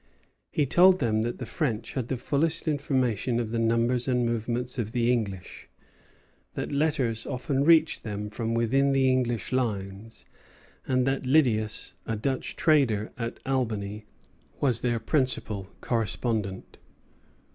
He told them that the French had the fullest information of the numbers and movements of the English; that letters often reached them from within the English lines; and that Lydius, a Dutch trader at Albany, was their principal correspondent.